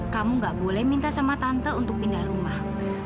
kamu gak boleh minta sama tante untuk pindah rumah